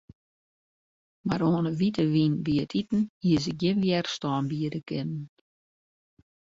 Mar oan 'e wite wyn by it iten hie se gjin wjerstân biede kinnen.